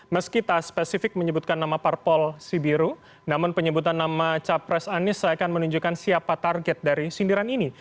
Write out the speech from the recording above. meski tak spesifik menyebutkan nama parpol sibiru namun penyebutan nama capres anies seakan menunjukkan siapa target dari sindiran ini